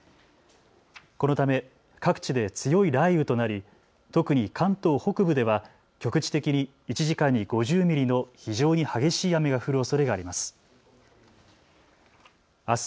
このため各地で強い雷雨となり特に関東北部では局地的に１時間に５０ミリの非常に激しい雨が降るおそれがあります。